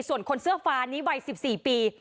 ส่วนคนเสื้อฟ้านี้วัย๑๔ปี